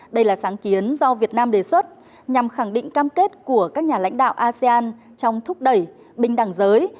đây là sáng kiến do việt nam đề xuất nhằm khẳng định cam kết của các nhà lãnh đạo asean trong thúc đẩy bình đẳng giới